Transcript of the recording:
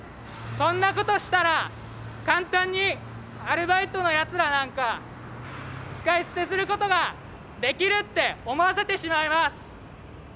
そんなことしたら「簡単にアルバイトのやつらなんか使い捨てすることができる」って思わせてしまいます。